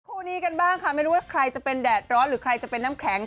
คู่นี้กันบ้างค่ะไม่รู้ว่าใครจะเป็นแดดร้อนหรือใครจะเป็นน้ำแข็ง